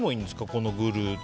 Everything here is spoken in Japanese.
このグルー。